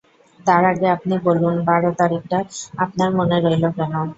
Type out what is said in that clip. তার আগে আপনি বলুন বার তারিখটা আপনার মনে রইল কেন?